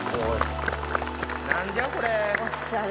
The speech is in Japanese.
何じゃこれ。